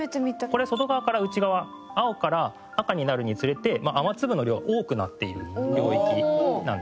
これ外側から内側青から赤になるにつれて雨粒の量が多くなっている領域なんですね。